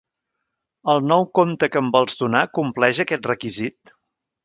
El nou compte que em vols donar compleix aquest requisit?